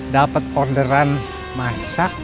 dapet orderan masak